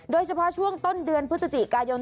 โดยเฉพาะช่วงต้นเดือนพฤศจิกายน